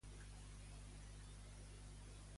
Per a què han d'utilitzar-se, d'acord amb Conte?